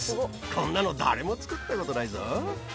こんなの誰も作ったことないぞ。